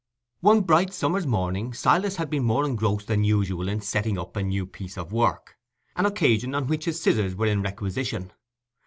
One bright summer's morning Silas had been more engrossed than usual in "setting up" a new piece of work, an occasion on which his scissors were in requisition.